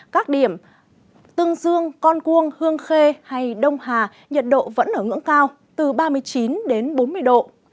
các điểm tương dương con cuông hương khê hay đông hà nhiệt độ vẫn ở ngưỡng cao từ ba mươi chín đến bốn mươi độ